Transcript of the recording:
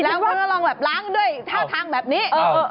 แล้วก็ลองแบบล้างด้วยท่าทางแบบนี้